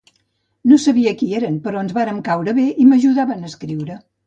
No sabia qui eren, però ens vàrem caure bé i m’ajudaven a escriure.